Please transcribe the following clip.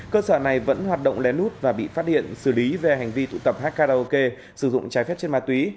cơ sở này vẫn hoạt động lẽ đút và bị phát hiện xử lý về hành vi tụ tập hát karaoke sử dụng trái phép chất mà tùy